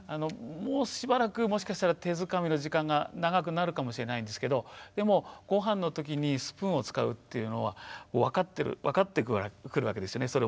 もうしばらくもしかしたら手づかみの時間が長くなるかもしれないんですけどでもごはんの時にスプーンを使うっていうのは分かってくるわけですよね。